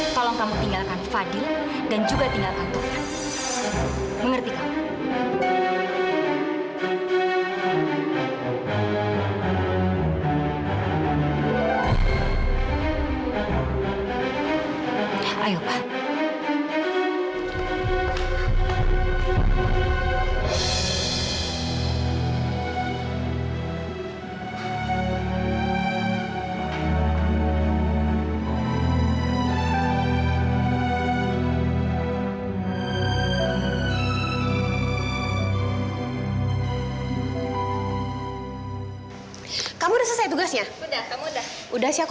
tolong kamu taruh kereta dorongnya cantik deket kursi